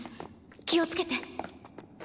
気をつけて。